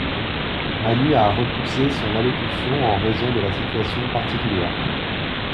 Manu a repoussé son allocution en raison de la situation particulière.